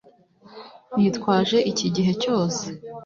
nitwaje iki gihe cyose